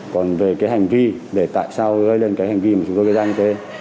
còn về cái hành vi để tại sao gây lên cái hành vi mà chúng tôi gây ra như thế